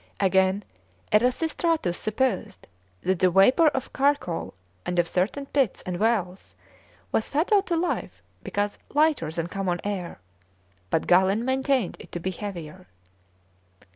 Again, Erasistratus supposed that the vapour of charcoal and of certain pits and wells was fatal to life because lighter than common air, but Galen maintained it to be heavier.